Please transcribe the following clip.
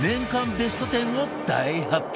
ベスト１０を大発表